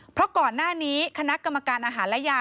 เพราะก่อนหน้านี้คณะกรรมการอาหารและยา